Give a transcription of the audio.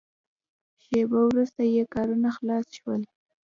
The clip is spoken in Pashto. شېبه وروسته یې کارونه خلاص شول.